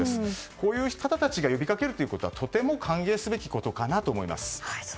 こういう方たちが呼びかけることはとても歓迎すべきことかなと思います。